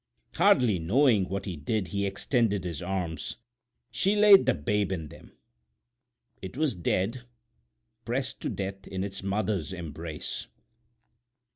Hardly knowing what he did he extended his arms. She laid the babe in them. It was dead—pressed to death in its mother's embrace.